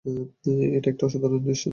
এটা একটা অসাধারণ দৃষ্টান্ত।